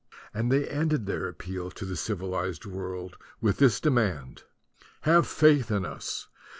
And they ended their appeal to the civi lized world with this demand: "Have faith in us